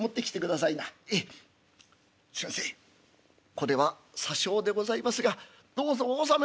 これはさ少でございますがどうぞお納め」。